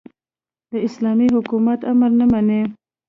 د اسلامي حکومت امر نه مني.